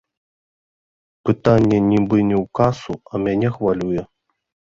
Пытанне нібы не ў касу, а мяне хвалюе?